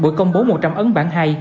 buổi công bố một trăm linh ấn bản hay